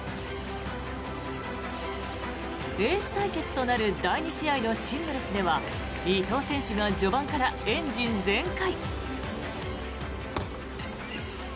エース対決となる第２試合のシングルスでは伊藤選手が序盤からエンジン全開。